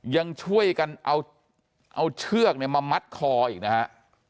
ยังช่วยกันเอาเชือกเนี่ยมามัดคออีกนะฮะ